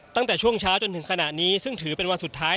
ตั้งแต่ช่วงเช้าจนถึงขณะนี้ซึ่งถือเป็นวันสุดท้าย